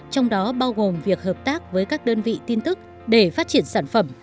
trong đó bao gồm việc hợp tác với các đơn vị tin tức để phát triển sản phẩm